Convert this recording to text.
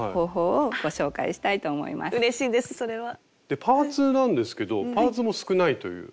でパーツなんですけどパーツも少ないという。